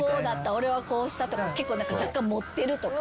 「俺はこうした」とか結構若干盛ってるとか。